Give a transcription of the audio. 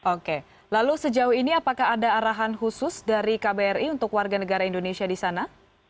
oke lalu sejauh ini apakah ada arahan khusus dari kbri untuk warga negara indonesia di sana